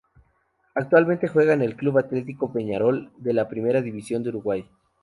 Actualmente juega en el Club Atletico Peñarol de la Primera División de Uruguay.